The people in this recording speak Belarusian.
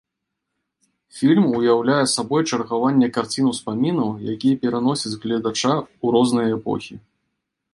Фільм уяўляе сабой чаргаванне карцін-успамінаў, якія пераносяць гледача ў розныя эпохі.